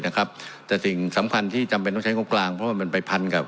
นะครับแต่สิ่งสำคัญที่จำใช้งบกลางเพราะมันไปพันธุ์กับ